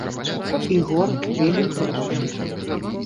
І горад вельмі прыгожы.